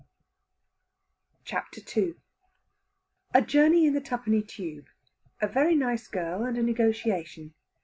CHAPTER II A JOURNEY IN THE TWOPENNY TUBE. A VERY NICE GIRL, AND A NEGOTIATION.